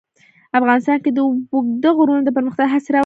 افغانستان کې د اوږده غرونه د پرمختګ هڅې روانې دي.